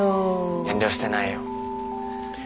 遠慮してないよ。